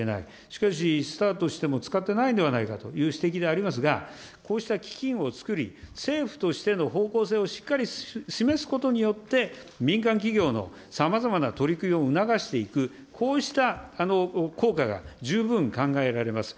しかし、スタートしても使ってないんではないかという指摘でありますが、こうした基金を作り、政府としての方向性をしっかり示すことによって、民間企業のさまざまな取り組みを促していく、こうした効果が十分考えられます。